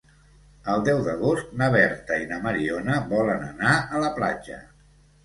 El deu d'agost na Berta i na Mariona volen anar a la platja.